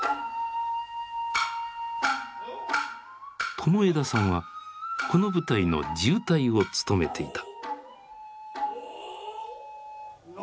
友枝さんはこの舞台の地謡を務めていた。